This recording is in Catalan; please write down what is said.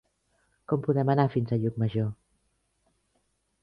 Com podem anar fins a Llucmajor?